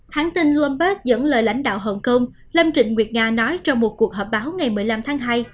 hãng tin loom park dẫn lời lãnh đạo hồng kông lâm trịnh nguyệt nga nói trong một cuộc họp báo ngày một mươi năm tháng hai